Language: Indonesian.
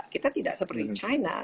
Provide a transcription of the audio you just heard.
kita tidak seperti china